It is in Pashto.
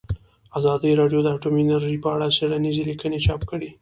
ازادي راډیو د اټومي انرژي په اړه څېړنیزې لیکنې چاپ کړي.